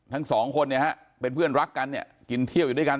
ทั้งสองคนเนี่ยฮะเป็นเพื่อนรักกันเนี่ยกินเที่ยวอยู่ด้วยกัน